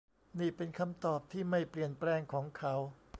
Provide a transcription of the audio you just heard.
นี่เป็นคำตอบที่ไม่เปลี่ยนแปลงของเขา